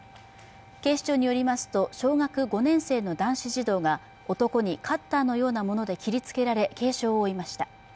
警視庁によりますと、小学５年生の男子児童が男にカッターのようなもので切りつけられ、軽傷を負いました。